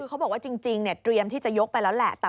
คือเขาบอกว่าจริงเตรียมที่จะยกไปแล้วแหละ